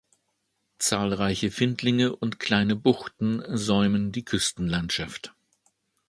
Zahlreiche Findlinge und kleine Buchten säumen die Küstenlandschaft.